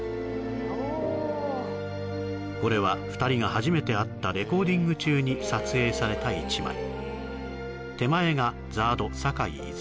これは２人が初めて会ったレコーディング中に撮影された一枚手前がＺＡＲＤ